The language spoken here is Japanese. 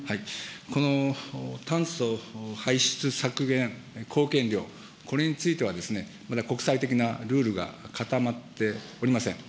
この炭素排出削減貢献量、これについてはまだ国際的なルールが固まっておりません。